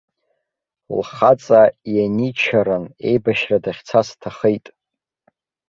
Лхаҵа ианичарын, еибашьра дахьцаз дҭахеит.